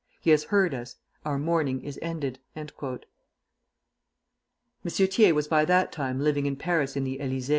"He has heard us; our mourning is ended!" M. Thiers was by that time living in Paris in the Élysée.